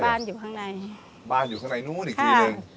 บ้านอยู่ข้างในบ้านอยู่ข้างในนู้นอีกทีเลย